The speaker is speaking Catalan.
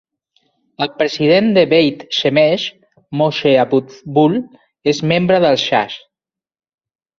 El president de Beit Shemesh, Moshe Abutbul, és membre del Shas.